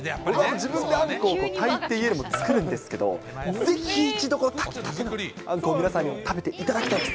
自分があんこ、炊いて家でも作るんですけど、ぜひ一度炊き立てのあんこを皆さんにも食べていただきたいです。